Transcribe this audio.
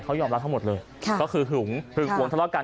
เขายอมรับทั้งหมดเลยก็คือหึงคือห่วงทะเลาะกัน